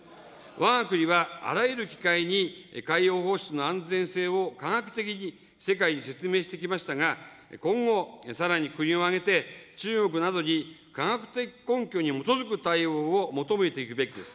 わが国はあらゆる機会に海洋放出の安全性を科学的に世界に説明してきましたが、今後、さらに国を挙げて、中国などに科学的根拠に基づく対応を求めていくべきです。